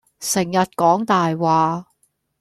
成日講大話